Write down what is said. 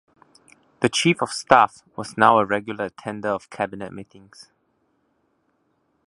The Chief of Staff was now a regular attender of cabinet meetings.